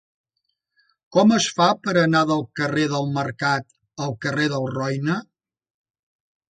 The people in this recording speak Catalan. Com es fa per anar del carrer del Mercat al carrer del Roine?